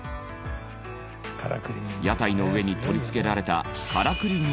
屋台の上に取り付けられたからくり人形。